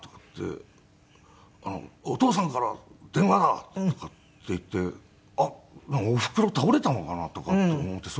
「お父さんから電話だ！」とかって言ってあっおふくろ倒れたのかな？とかって思って。